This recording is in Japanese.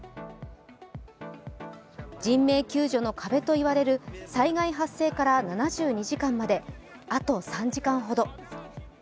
人命救助の壁と言われる災害発生から７２時間まであと３時間ほど。